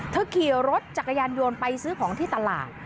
ขี่รถจักรยานยนต์ไปซื้อของที่ตลาด